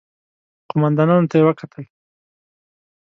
قوماندانانو ته يې وکتل.